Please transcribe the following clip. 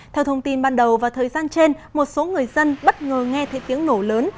theo thông tin ban đầu và thời gian trên một số người dân bất ngờ nghe thấy tiếng nổ lớn